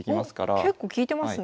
おっ結構利いてますね。